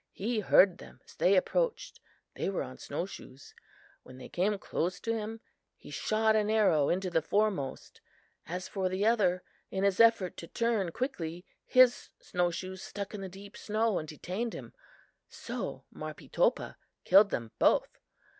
He heard them as they approached. They were on snowshoes. When they came close to him, he shot an arrow into the foremost. As for the other, in his effort to turn quickly his snow shoes stuck in the deep snow and detained him, so Marpeetopah killed them both.